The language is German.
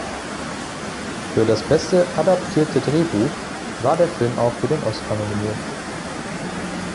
Für das "Beste adaptierte Drehbuch" war der Film auch für den Oscar nominiert.